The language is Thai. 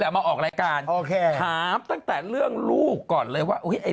แต่มาออกรายการโอเคถามตั้งแต่เรื่องลูกก่อนเลยว่าอุ้ยไอ้